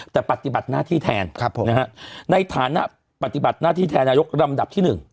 แต่ปฏิบัติหน้าที่แทนในฐานะปฏิบัติหน้าที่แทนนายกลำดับที่๑